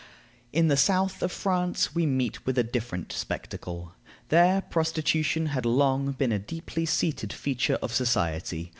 In the south of France we meet with a different spectacle. There prostitution had long been a deeply seated feature of society.